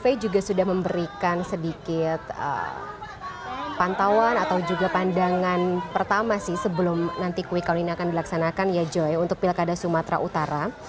tapi juga sudah memberikan sedikit pantauan atau juga pandangan pertama sih sebelum nanti quick count ini akan dilaksanakan ya joy untuk pilkada sumatera utara